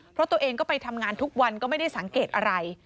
เพราะตัวเองก็ไปทำงานทุกวันก็ไม่ได้สังเกตอะไร